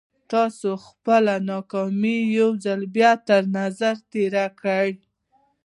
تاسې خپلې تېرې ناکامۍ يو ځل بيا تر نظر تېرې کړئ.